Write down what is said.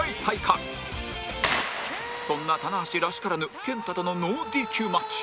そんな棚橋らしからぬ ＫＥＮＴＡ とのノー ＤＱ マッチ